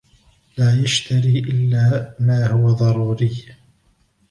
لا يشتري إلا ما هو ضروري.